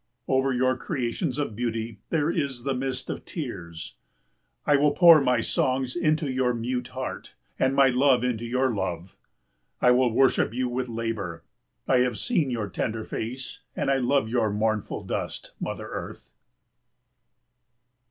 Over your creations of beauty there is the mist of tears. I will pour my songs into your mute heart, and my love into your love. I will worship you with labour. I have seen your tender face and I love your mournful dust, Mother Earth.